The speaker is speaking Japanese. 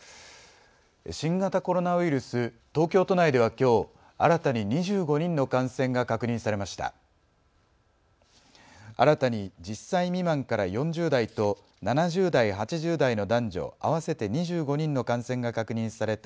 新型コロナウイルス、東京都内ではきょう新たに２５人の感染が確認されました。